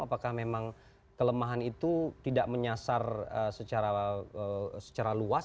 apakah memang kelemahan itu tidak menyasar secara luas